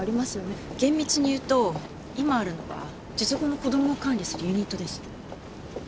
厳密に言うと今あるのは術後の子供を管理するユニットです。